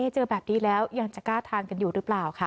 เจอแบบนี้แล้วยังจะกล้าทานกันอยู่หรือเปล่าค่ะ